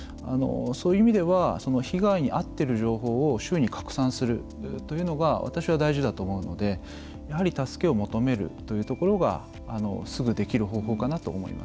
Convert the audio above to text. そういう意味では被害にあっている情報を周囲に拡散するというのが私は大事だと思うので、やはり助けを求めるというところがすぐできる方法かなと思います。